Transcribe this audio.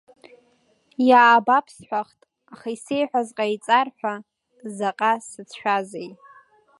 Иаабап, сҳәахт, аха исеиҳәаз ҟаиҵар ҳәа заҟа сацәшәазеи.